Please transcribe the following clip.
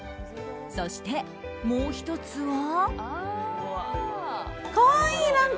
そして、もう１つは。